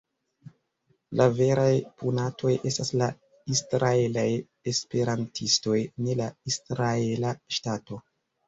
La veraj punatoj estas la israelaj esperantistoj, ne la israela ŝtato.